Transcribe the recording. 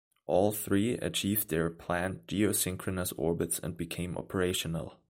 All three achieved their planned geosynchronous orbits and became operational.